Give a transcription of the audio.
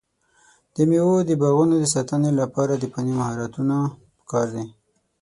د مېوو د باغونو د ساتنې لپاره د فني مهارتونو پکار دی.